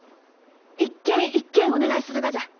一軒一軒お願いするがじゃ。